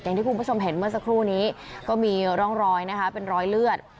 อย่างที่คุณผู้ชมเห็นเมื่อสักครู่นี้ก็มีร่องรอยนะคะเป็นรอยเลือด